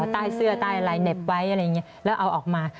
ใต้เสื้อใต้อะไรเหน็บไว้อะไรอย่างนี้แล้วเอาออกมา